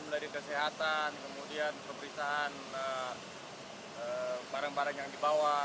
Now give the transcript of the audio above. melalui kesehatan kemudian pemeriksaan barang barang yang dibawa